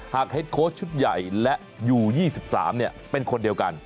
เฮ็ดโค้ชชุดใหญ่และอยู่๒๓เป็นคนเดียวกัน